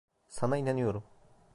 Sana inanıyorum.